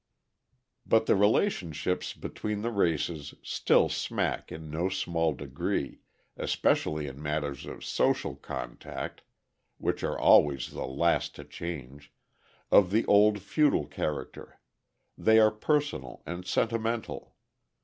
But the relationships between the races still smack in no small degree, especially in matters of social contact (which are always the last to change), of the old feudal character; they are personal and sentimental.